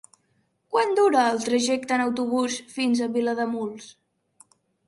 Quant dura el trajecte en autobús fins a Vilademuls?